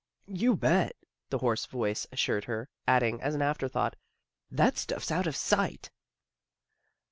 " You bet," the hoarse voice assured her, adding, as an afterthought, " That stuff's out of sight."